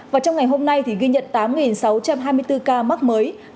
và trong ngày hôm nay thì ghi nhận tám sáu trăm linh bệnh nhân được công bố khỏi bệnh